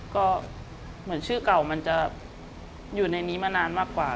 ก็เหมือนชื่อเก่ามันจะอยู่ในนี้มานานมากกว่า